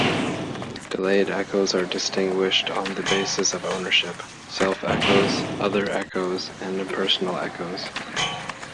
Delayed echos are distinguished on the basis of ownership: self-echos, other-echos, and impersonal echos.